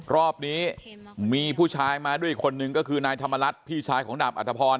รอบนี้มีผู้ชายมาด้วยอีกคนนึงก็คือนายธรรมรัฐพี่ชายของดาบอัธพร